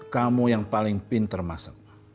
kamu yang paling pinter masuk